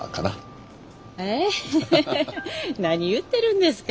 何言ってるんですか？